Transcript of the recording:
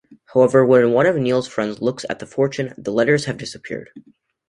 However, when one of Neal's friends looks at the fortune, the letters have disappeared.